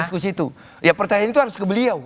diskusi itu ya pertanyaan itu harus ke beliau